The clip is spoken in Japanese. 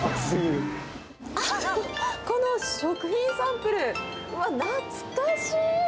あっ、この食品サンプル、うわっ、懐かしい！